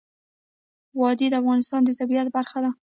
وادي د افغانستان د طبیعت برخه ده.